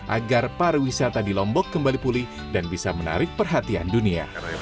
agar pariwisata di lombok kembali pulih dan bisa menarik perhatian dunia